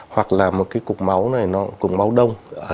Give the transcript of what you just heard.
hoặc là một cái cục máu này nó cùng máu đông